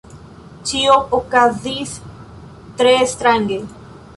Ĉio okazis tre strange.